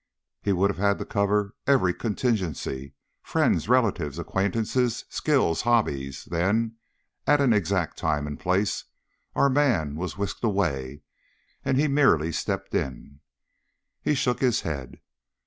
"He would have had to cover every contingency friends, relatives, acquaintances, skills, hobbies then, at an exact time and place, our man was whisked away and he merely stepped in." He shook his head.